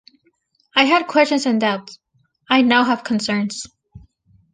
I had questions and doubts, I now have concerns.